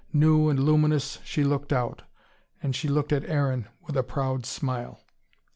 New and luminous she looked out. And she looked at Aaron with a proud smile.